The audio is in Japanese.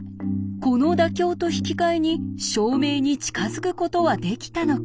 この妥協と引き換えに証明に近づくことはできたのか？